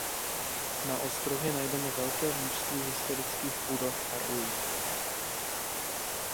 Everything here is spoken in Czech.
Na ostrově najdeme velké množství historických budov a ruin.